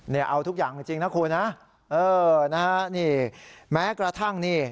เอาทุกอย่างจริงนะคุณนะเออนะฮะนี่แม้กระทั่งนี่